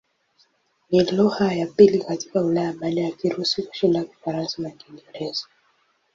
Ni lugha ya pili katika Ulaya baada ya Kirusi kushinda Kifaransa na Kiingereza.